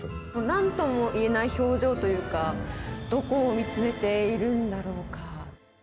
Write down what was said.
なんともいえない表情というか、どこを見つめているんだろうか。